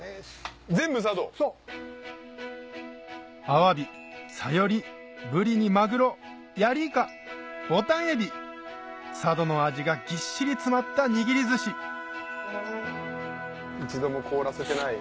アワビサヨリブリにマグロヤリイカボタンエビ佐渡の味がぎっしり詰まった握り寿司一度も凍らせてない。